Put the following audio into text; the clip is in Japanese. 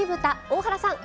大原さん